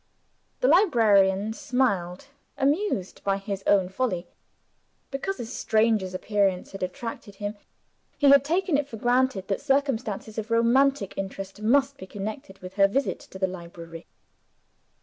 The librarian smiled amused by his own folly. Because a stranger's appearance had attracted him, he had taken it for granted that circumstances of romantic interest must be connected with her visit to the library.